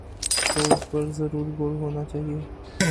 تو اس پر ضرور غور ہو نا چاہیے۔